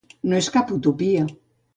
No és cap utopia.